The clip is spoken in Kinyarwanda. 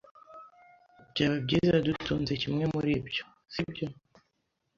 Byaba byiza dutunze kimwe muri ibyo, sibyo?